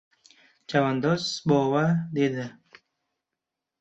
— Chavandoz bova! — dedi.